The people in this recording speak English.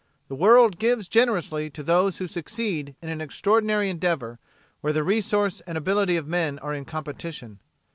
The world gives generously to those who succeed in an extraordinary endeavor where the resource and ability of men are in competition.